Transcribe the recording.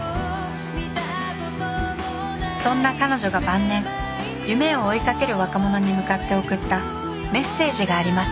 そんな彼女が晩年夢を追いかける若者に向かって送ったメッセージがあります